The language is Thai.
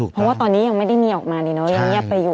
เพราะตอนนี้ยังไม่ได้เงียบออกมาดีหนอยังเงียบไปอยู่